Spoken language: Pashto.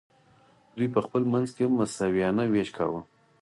دوی په خپل منځ کې مساویانه ویش کاوه.